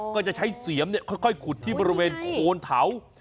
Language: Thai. ก็จะใช้เสียมค่อยขุดที่บริเวณโคนเถา